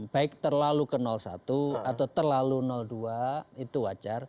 baik terlalu ke satu atau terlalu dua itu wajar